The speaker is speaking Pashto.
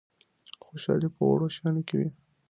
خوشحالي په وړو شیانو کي وي.